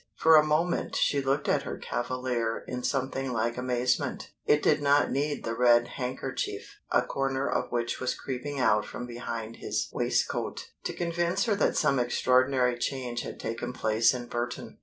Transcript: For a moment she looked at her cavalier in something like amazement. It did not need the red handkerchief, a corner of which was creeping out from behind his waistcoat, to convince her that some extraordinary change had taken place in Burton.